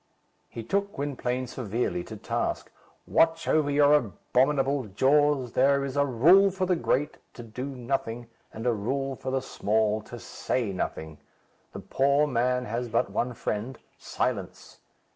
He took Gwynplaine severely to task. "Watch over your abominable jaws. There is a rule for the great to do nothing; and a rule for the small to say nothing. The poor man has but one friend, silence.